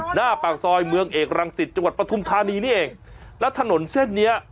หน้าปากซอยเมืองเอกรังสิตจังหวัดปฐุมธานีนี่เองแล้วถนนเส้นเนี้ย